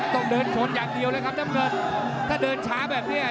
ต้องเดินชนอย่างเดียวเลยครับน้ำเงินถ้าเดินช้าแบบเนี้ย